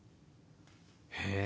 へえ。